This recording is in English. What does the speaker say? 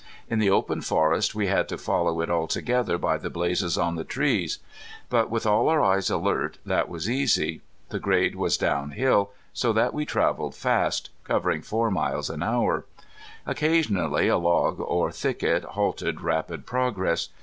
In the open forest we had to follow it altogether by the blazes on the trees. But with all our eyes alert that was easy. The grade was down hill, so that we traveled fast, covering four miles an hour. Occasionally a log or thicket halted rapid progress.